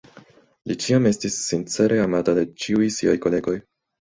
Li ĉiam estis sincere amata de ĉiuj siaj kolegoj.